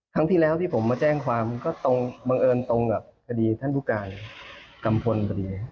ครั้งที่แล้วที่ผมมาแจ้งความก็ตรงบังเอิญตรงกับคดีท่านผู้การกัมพลพอดี